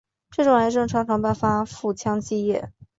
这种癌症常常伴发腹腔积液。